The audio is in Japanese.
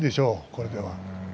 これでは。